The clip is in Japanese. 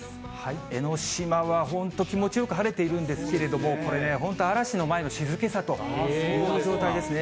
江の島は本当、気持ちよく晴れているんですけれども、これね、本当、嵐の前の静けさという状態ですね。